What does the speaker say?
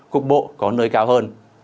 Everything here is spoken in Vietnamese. cục bộ có nơi cao hơn